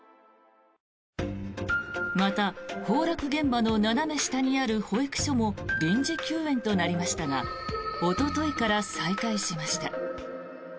また、崩落現場の斜め下にある保育所も臨時休園となりましたがおとといから再開しました。